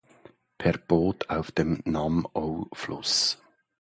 Per Boot auf dem Nam Ou Fluss.